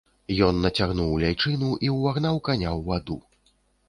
Ён нацягнуў ляйчыну і ўвагнаў каня ў ваду.